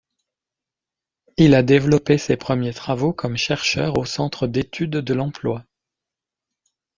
Il a développé ses premiers travaux comme chercheur au Centre d’études de l’emploi.